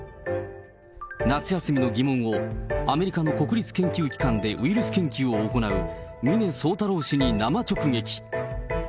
夏休みの疑問を、アメリカの国立研究機関でウイルス研究を行う、峰宗太郎氏に生直撃。